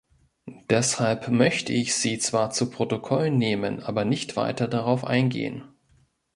Deshalb möchte ich sie zwar zu Protokoll nehmen, aber nicht weiter darauf eingehen.